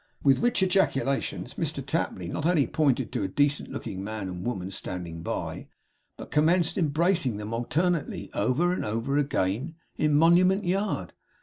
With which ejaculations Mr Tapley not only pointed to a decent looking man and woman standing by, but commenced embracing them alternately, over and over again, in Monument Yard.